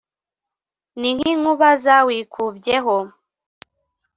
N’ inkuba zawikubyeho.